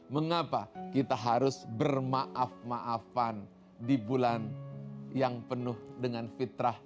mengapa kita harus bermaaf maafan di bulan yang penuh dengan fitrah